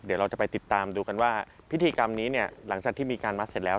เดี๋ยวเราจะไปติดตามดูกันว่าพิธีกรรมนี้เนี่ยหลังจากที่มีการมัดเสร็จแล้ว